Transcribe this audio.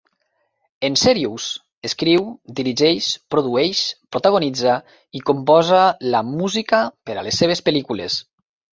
En Serious escriu, dirigeix, produeix, protagonitza i composa la música per a les seves pel·lícules.